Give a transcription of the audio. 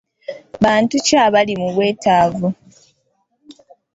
Bantu ki abali mu bwetaavu?